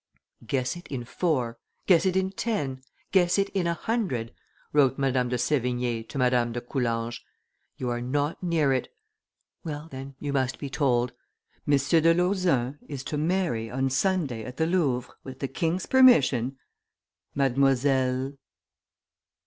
"Guess it in four, guess it in ten, guess it in a hundred," wrote Madame de Sevigne to Madame de Coulanges: "you are not near it; well, then, you must be told. M. de Lauzun is to marry on Sunday at the Louvre, with the king's permission, mademoiselle